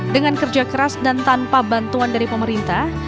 dengan kerja keras dan tanpa bantuan dari pemerintah